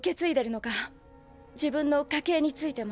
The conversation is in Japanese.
自分の家系についても。